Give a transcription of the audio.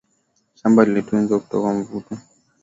shamba likitunzwa hutoa mzvuno mengi